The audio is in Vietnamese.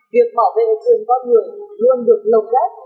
việc bảo vệ hệ thường con người luôn được lồng rách